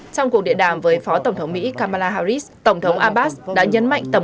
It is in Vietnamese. trong cuộc điện đàm với phó tổng thống mỹ kamala harris tổng thống abbas đã nhấn mạnh tầm